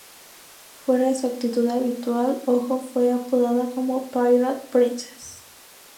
Fuera de su actitud habitual, Hojo fue apodada como "Pirate Princess".